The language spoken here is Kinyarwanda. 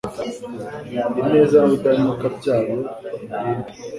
ineza n’ubudahemuka byayo bimurinde